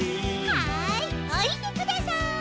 はいおりてください。